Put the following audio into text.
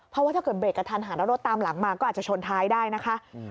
เพราะว่าถ้าเกิดเบรกกระทันหันแล้วรถตามหลังมาก็อาจจะชนท้ายได้นะคะ